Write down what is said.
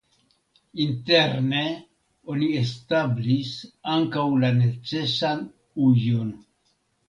Interne oni establis ankaŭ la necesan ujon.